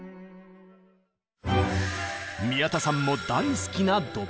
宮田さんも大好きなドボコン。